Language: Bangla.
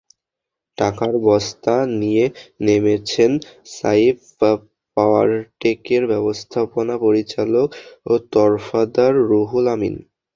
টাকার বস্তা নিয়ে নেমেছেন সাইফ পাওয়ারটেকের ব্যবস্থাপনা পরিচালক তরফদার রুহুল আমিন।